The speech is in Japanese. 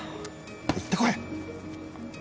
行って来い。